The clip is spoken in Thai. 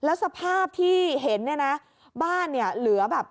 แล้วสภาพที่เห็นเนี่ยนะบ้านเนี่ยเหลือแบบ